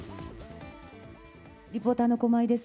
リポーターの駒井です。